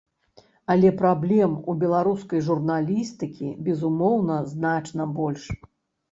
Але праблем у беларускай журналістыкі, безумоўна, значна больш.